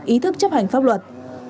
ý thức chấp hành pháp luật